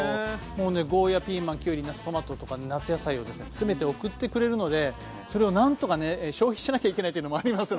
もうねゴーヤーピーマンきゅうりなすトマトとか夏野菜をですね詰めて送ってくれるのでそれを何とかね消費しなきゃいけないっていうのもありますので。